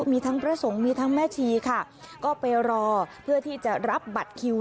มีทั้งพระสงฆ์มีทั้งแม่ชีค่ะก็ไปรอเพื่อที่จะรับบัตรคิว